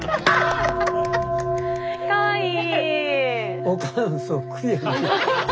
・かわいい！